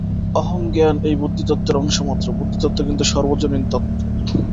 অহংজ্ঞান এই বুদ্ধিতত্ত্বের অংশ মাত্র, বুদ্ধিতত্ত্ব কিন্তু সর্বজনীন তত্ত্ব।